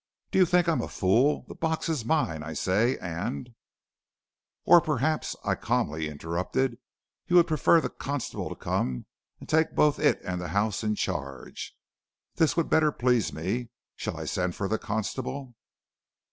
'Do you think I am a fool? The box is mine, I say, and ' "'Or perhaps,' I calmly interrupted, 'you would prefer the constable to come and take both it and the house in charge. This would better please me. Shall I send for the constable?'